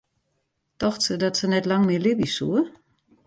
Tocht se dat se net lang mear libje soe?